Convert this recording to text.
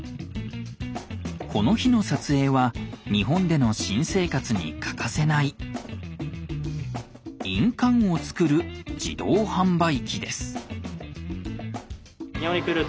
この日の撮影は日本での新生活に欠かせない印鑑を作る自動販売機です。